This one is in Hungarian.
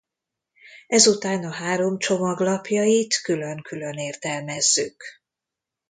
Ezután a három csomag lapjait külön-külön értelmezzük.